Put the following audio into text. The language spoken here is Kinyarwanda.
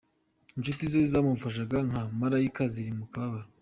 Inshuti ze zamufataga nka “malayika” ziri mu kababaro.